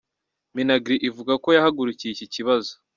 Minagri ivuga ko yahagurukiye iki kibazo.